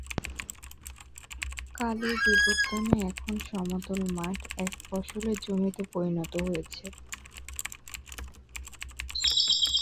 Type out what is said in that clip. কালের বিবর্তনে এখন সমতল মাঠ এক ফসলের জমিতে পরিণত হয়েছে।